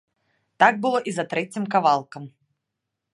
Так было і за трэцім кавалкам.